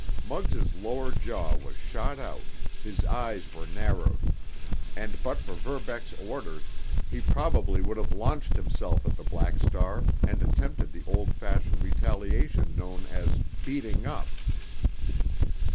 Muggs' lower jaw was shot out, his eyes were narrowed, and, but for Verbeck's orders, he probably would have launched himself at the Black Star and attempted the old fashioned retaliation known as "beating up."